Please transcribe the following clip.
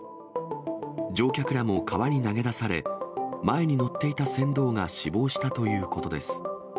乗客らも川に投げ出され、前に乗っていた船頭が死亡したということです。